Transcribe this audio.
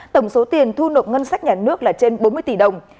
tổng số tiền thu nộp ngân sách nhà nước là trên bốn mươi tỷ đồng